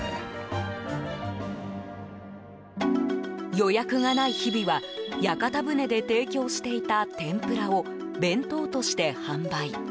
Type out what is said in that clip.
予約がない日々は屋形船で提供していた天ぷらを弁当として販売。